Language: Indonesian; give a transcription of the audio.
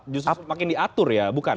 justru makin diatur ya bukan